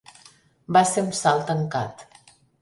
Va ser un salt tancat.